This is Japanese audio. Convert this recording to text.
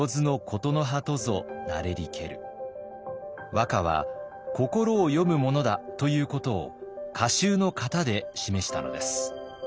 和歌は心を詠むものだということを歌集の型で示したのです。